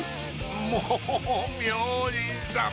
もう明神様！